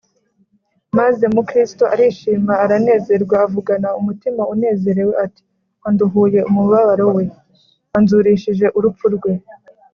Maze Mukristo arishima, aranezerwa, avugana umutima unezerewe, ati: Anduhuye umubabaro we Anzurishije urupfu rwe